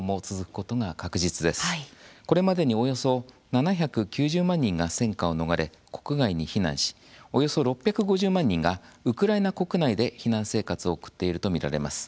これまでにおよそ７９０万人が戦火を逃れ、国外に避難しおよそ６５０万人がウクライナ国内で避難生活を送っていると見られます。